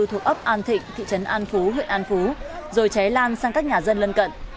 thuộc ấp an thịnh thị trấn an phú huyện an phú rồi cháy lan sang các nhà dân lân cận